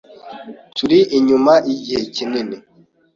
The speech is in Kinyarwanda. Turi inyuma yigihe kinini